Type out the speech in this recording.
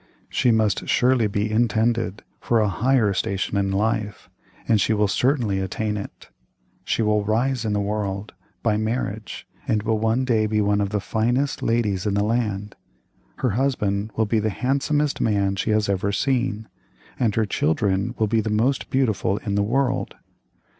She must surely be intended for a higher station in life, and she will certainly attain it. She will rise in the world, by marriage, and will one day be one of the finest ladies in the land. Her husband will be the handsomest man she has ever seen, and her children will be the most beautiful in the world.